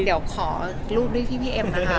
เดี๋ยวขอรูปด้วยที่พี่เอ็มนะคะ